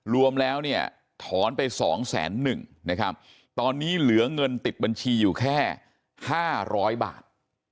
รวมแล้วถอนไป๒๐๑๐๐๐ตอนนี้เหลืองเงินติดบัญชีอยู่แค่๕๐๐บาท